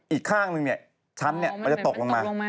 อีกข้างหนึ่งชั้นมันจะตกลงมา